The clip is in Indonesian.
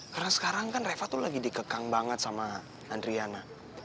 karena sekarang kan reva tuh lagi dikekang banget sama adriana